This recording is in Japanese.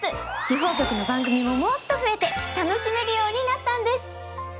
地方局の番組ももっと増えて楽しめるようになったんです。